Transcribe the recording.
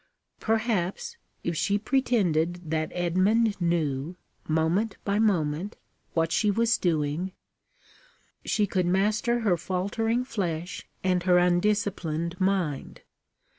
Perhaps, if she pretended that Edmund knew, moment by moment, what she was doing, she could master her faltering flesh and her undisciplined mind.